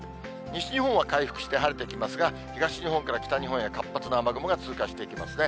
西日本は回復して晴れてきますが、東日本から北日本は活発な雨雲が通過していきますね。